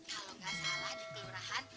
kalau nggak salah di kelurahan